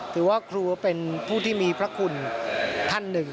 ถือว่าครูเป็นผู้ที่มีพระคุณท่านหนึ่ง